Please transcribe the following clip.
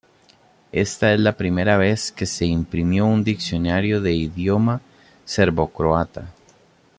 Esta es la primera vez que se imprimió un diccionario de idioma serbocroata.